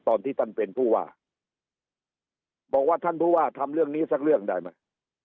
ตอนที่ท่านเป็นผู้ว่าบอกว่าท่านผู้ว่าทำเรื่องนี้สักเรื่องได้ไหม